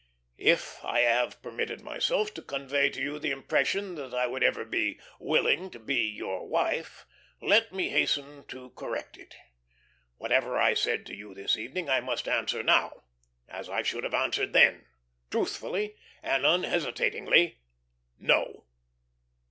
"If I have permitted myself to convey to you the impression that I would ever be willing to be your wife, let me hasten to correct it. Whatever I said to you this evening, I must answer now as I should have answered then truthfully and unhesitatingly, no.